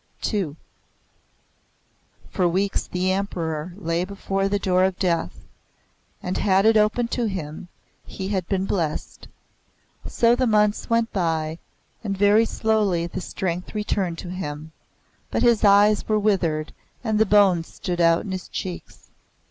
II For weeks the Emperor lay before the door of death; and had it opened to him, he had been blessed. So the months went by, and very slowly the strength returned to him; but his eyes were withered and the bones stood out in his cheeks.